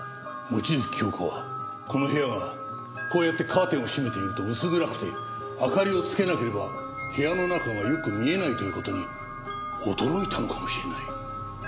望月京子はこの部屋がこうやってカーテンを閉めていると薄暗くて明かりをつけなければ部屋の中がよく見えないという事に驚いたのかもしれない。